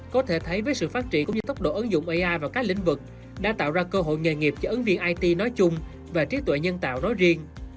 có thể thấy với sự phát triển cũng như tốc độ ứng dụng ai vào các lĩnh vực đã tạo ra cơ hội nghề nghiệp cho ứng viên it nói chung và trí tuệ nhân tạo nói riêng